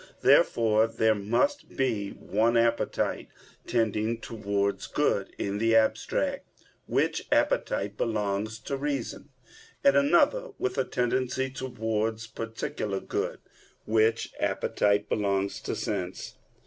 Therefore there must be one appetite tending towards good in the abstract, which appetite belongs to reason; and another with a tendency towards particular good, which appetite belongs to sense.